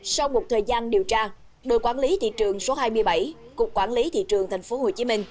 sau một thời gian điều tra đội quản lý thị trường số hai mươi bảy cục quản lý thị trường tp hcm